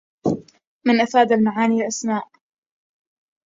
مَنْ أفاد المعانيَ الأسماءَ